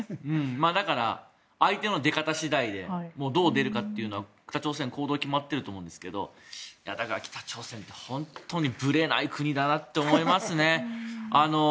だから、相手の出方次第でどう出るかというのは北朝鮮、行動は決まっていると思うんですがだから、北朝鮮って本当にぶれない国だなって思いますね。